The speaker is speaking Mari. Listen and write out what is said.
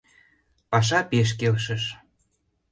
Паша пеш келшыш...